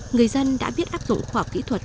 người dân đã biết áp dụng khỏa kỹ thuật